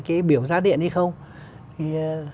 cái biểu giá điện hay không thì